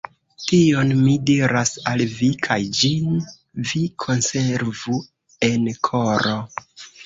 Tion mi diras al vi, kaj ĝin vi konservu en koro.